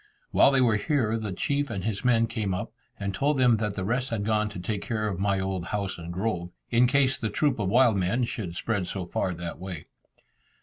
While they were here, the chief and his men came up, and told them that the rest had gone to take care of my old house and grove, in case the troop of wild men should spread so far that way.